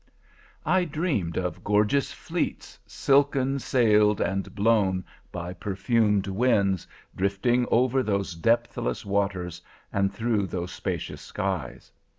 "I dreamed of gorgeous fleets, silken sailed and blown by perfumed winds, drifting over those depthless waters and through those spacious skies.